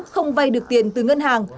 không vay được tiền từ ngân hàng